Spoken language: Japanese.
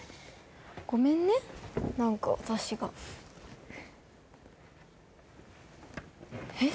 ごめんね何か私がえっ？